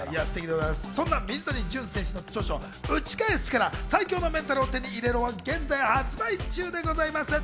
水谷隼選手の著書『打ち返す力最強のメンタルを手に入れろ』は現在発売中でございます。